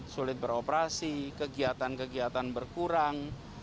sulit beroperasi kegiatan kegiatan berkurang